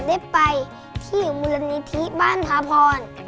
ผมได้ไปที่บรรณผีที่บ้านผละทหาร